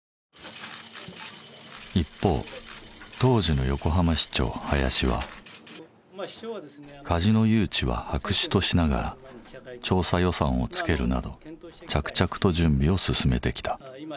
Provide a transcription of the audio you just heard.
一方当時の横浜市長林はカジノ誘致は白紙としながら調査予算をつけるなど着々と準備を進めてきた。